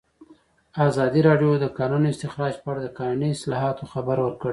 ازادي راډیو د د کانونو استخراج په اړه د قانوني اصلاحاتو خبر ورکړی.